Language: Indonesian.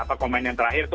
apa komen yang terakhir itu